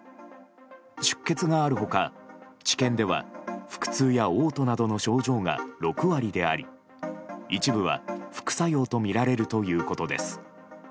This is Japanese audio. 出血がある他、治験では腹痛や嘔吐などの症状が６割であり一部は副作用とみられるということです。